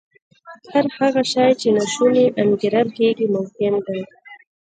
هر هغه شی چې ناشونی انګېرل کېږي ممکن دی